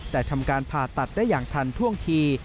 แต่ทำการผ่าตัดได้อย่างทันท่วงที